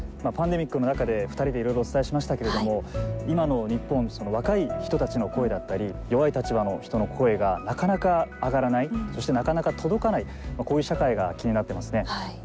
パンデミックの中で２人でいろいろお伝えしましたけれども今の日本若い人たちの声だったり弱い立場の人の声がなかなか上がらないそして、なかなか届かないこういう社会が気になっていますね。